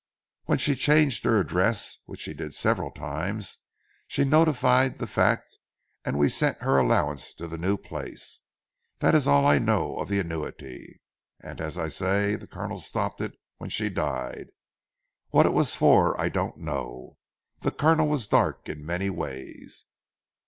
When she changed her address, which she did several times, she notified the fact and we sent her allowance to the new place. That is all I know of the annuity. And as I say the Colonel stopped it when she died. What it was for, I don't know. The Colonel was dark in many ways."